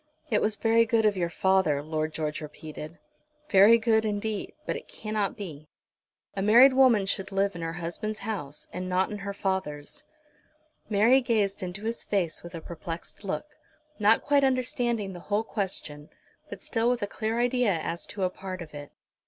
"It was very good of your father," Lord George repeated, "very good indeed; but it cannot be. A married woman should live in her husband's house and not in her father's." Mary gazed into his face with a perplexed look, not quite understanding the whole question, but still with a clear idea as to a part of it.